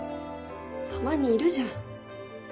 たまにいるじゃん。